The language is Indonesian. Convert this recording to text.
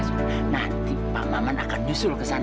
kita mau pergi nir cobokert dong